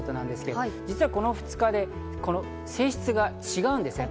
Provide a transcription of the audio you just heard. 実はこの２日で性質が違うんですね。